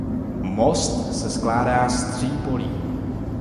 Most se skládá ze tří polí.